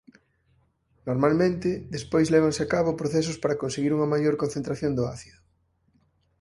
Normalmente despois lévanse a cabo procesos para conseguir unha maior concentración do ácido.